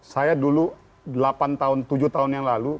saya dulu delapan tahun tujuh tahun yang lalu